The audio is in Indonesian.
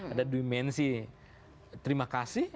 ada dimensi terima kasih